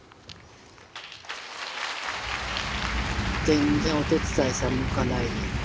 全然お手伝いさんも置かないで。